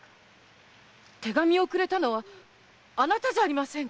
手紙をくれたのはあなたじゃありませんか！